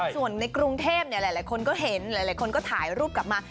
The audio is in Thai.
ส่วนในกรุงเทพหลายคนก็เห็นหลายคนก็ถ่ายรูปกลับมา